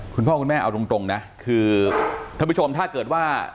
คุณพ่อคุณแม่เอาตรงนะคือท่านผู้ชมถ้าเกิดว่า